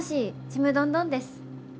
ちむどんどんです。